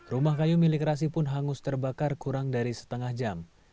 rumah kayu milik rasi pun hangus terbakar kurang dari setengah jam